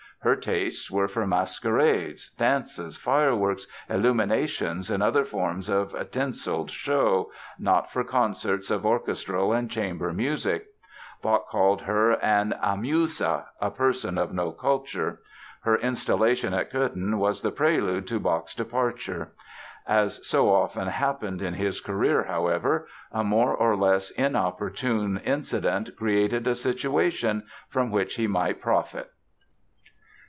Her tastes were for masquerades, dances, fireworks, illuminations and other forms of tinseled show, not for concerts of orchestral and chamber music. Bach called her an "amusa"—a person of no culture. Her installation at Cöthen was the prelude to Bach's departure. As so often happened in his career, however, a more or less inopportune incident created a situation from which he might profit.